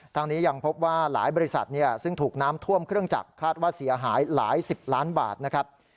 ทางนี้ยังพบว่าหลายบริษัทซึ่งถูกน้ำท่วมเครื่องจักรคาดว่าเสียหายหลายสิบล้านบาทนะครับ